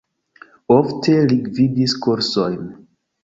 Ofte li gvidis kursojn.